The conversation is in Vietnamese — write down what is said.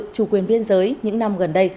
chủ quyền biên giới những năm gần đây